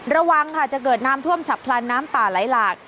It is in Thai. ระวังค่ะจะเกิดน้ำท่วมฉับพลันน้ำป่าไหลหลาก